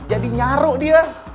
jadi nyaru dia